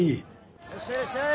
いらっしゃいいらっしゃい！